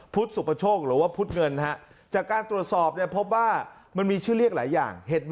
สุปโชคหรือว่าพุทธเงินฮะจากการตรวจสอบเนี่ยพบว่ามันมีชื่อเรียกหลายอย่าง